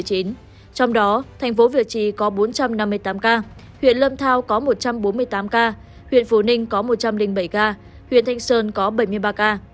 trong đó thành phố việt trì có bốn trăm năm mươi tám ca huyện lâm thao có một trăm bốn mươi tám ca huyện phú ninh có một trăm linh bảy ca huyện thanh sơn có bảy mươi ba ca